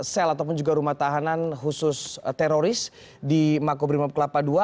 sel ataupun juga rumah tahanan khusus teroris di makobrimob kelapa ii